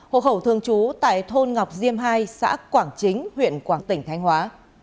hộ khẩu thường trú tại thôn ngọc diêm hai xã quảng chính huyện quảng tỉnh thanh hóa